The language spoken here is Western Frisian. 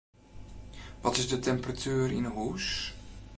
Wat is de temperatuer yn 'e hûs?